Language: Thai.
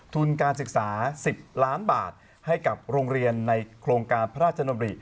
ทุนการศึกษา๑๐ล้านบาทให้กับโรงเรียนในโครงการพระราชดำริ